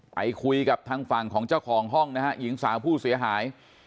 ไปคุยกับทางฝั่งของเจ้าของห้องนะฮะหญิงสาวผู้เสียหาย